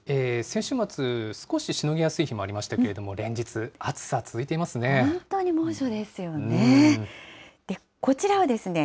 先週末、少ししのぎやすい日もありましたけれども、連日、暑さ続いていま本当に猛暑ですよね。